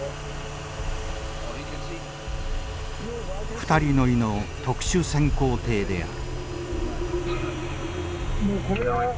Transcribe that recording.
２人乗りの特殊潜航艇である。